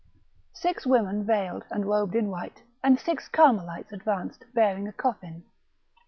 Six women, veiled, and robed in white, and six^ Carmelites advanced bearing a coffin.